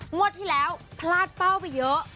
งวดที่แล้วพลาดเป้าไปเยอะ